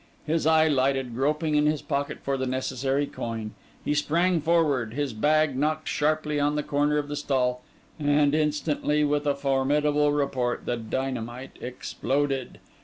His eye lighted; groping in his pocket for the necessary coin, he sprang forward—his bag knocked sharply on the corner of the stall—and instantly, with a formidable report, the dynamite exploded.